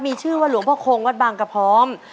มีชื่อว่าหลวงพ่อคงวัดบางกระพร้อม